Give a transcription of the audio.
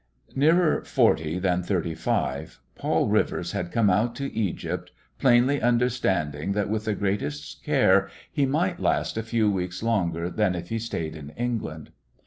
Nearer forty than thirty five, Paul Rivers had come out to Egypt, plainly understanding that with the greatest care he might last a few weeks longer than if he stayed in England.